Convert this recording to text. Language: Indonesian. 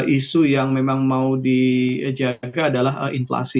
isu yang memang mau dijaga adalah inflasi